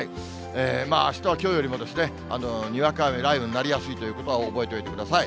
あしたはきょうよりもにわか雨、雷雨になりやすいということは覚えておいてください。